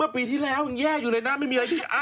ปีเดียวยังแย่อยู่ดิ